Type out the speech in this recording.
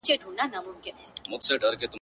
په لړزه يې سوه لكۍ او اندامونه-